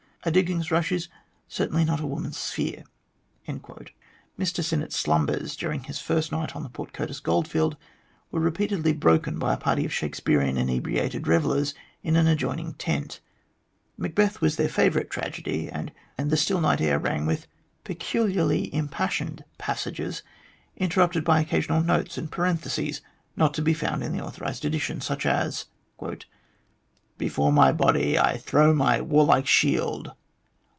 A diggings rush is certainly not woman's sphere." Mr Sinnett's slumbers during his first night on the Port Curtis goldfield were repeatedly broken by a party of Shakespearian inebriated revellers in an adjoining tent. "Macbeth" was their favourite tragedy, and the still night .air rang with peculiarly impassioned passages, interrupted by occasional notes and parentheses not to be found in the authorised edition, such as : "Before my body I throw my warlike shield.